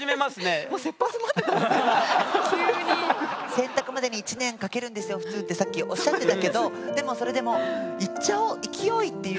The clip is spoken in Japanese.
選択までに１年かけるんですよ普通ってさっきおっしゃってたけどでもそれでもいっちゃおう勢いっていう